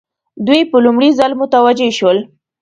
دوی په لومړي ځل متوجه شول.